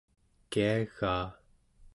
kiagaa